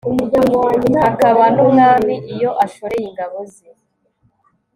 hakaba n'umwami iyo ashoreye ingabo ze